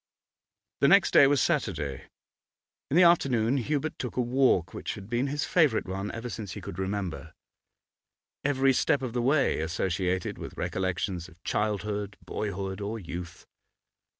The next day was Saturday. In the afternoon Hubert took a walk which had been his favourite one ever since he could remember, every step of the way associated with recollections of childhood, boyhood, or youth.